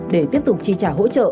để tiếp tục chi trả hỗ trợ